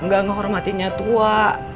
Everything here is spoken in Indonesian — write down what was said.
gak ngehormatinnya tua